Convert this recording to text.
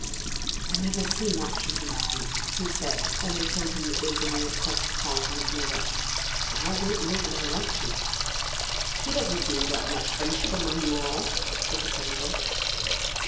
"I never see much of the man," he said when they told him that they were going across to call upon his neighbour, "and I don't know that I want to." "He doesn't seem to have much friendship among you all," said the Senator.